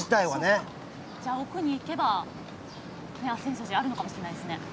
じゃあ、奥に行けば浅草寺があるかもしれないですね。